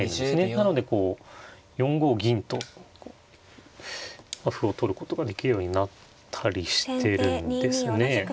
なのでこう４五銀と歩を取ることができるようになったりしてるんですね。